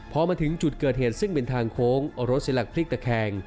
พอมาถึงจุดเกิดเหตุซึ่งเป็นทางโค้งรถเสียหลักพลิกตะแคง